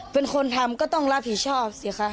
เป็นคนทำก็ต้องรับผิดชอบสิคะ